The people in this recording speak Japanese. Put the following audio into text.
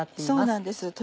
そうなんです。